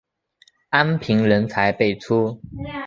安平人才辈出。